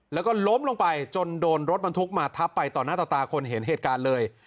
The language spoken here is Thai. แล้วก็ล้มลงไปจนโดนรถบรรทุกมาทับไปต่อหน้าต่อตาคนเห็นเหตุการณ์เลย